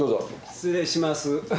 失礼します。